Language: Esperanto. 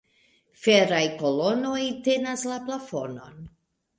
Feraj kolonoj tenas la plafonon.